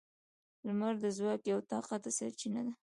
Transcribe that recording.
• لمر د ځواک یوه طاقته سرچینه ده.